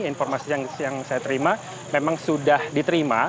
informasi yang saya terima memang sudah diterima